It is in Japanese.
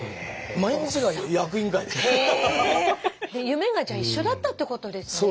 夢がじゃあ一緒だったってことですね